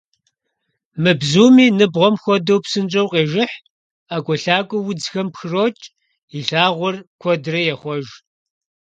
Мы бзуми, ныбгъуэм хуэдэу, псынщӀэу къежыхь, ӀэкӀуэлъакӀуэу удзхэм пхрокӀ, и лъагъуэр куэдрэ ехъуэж.